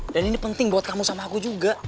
dan ini penting buat kamu sama aku juga